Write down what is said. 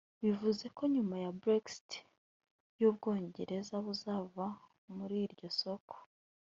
Bivuze ko nyuma ya Brexit u Bwongereza buzava muri iryo soko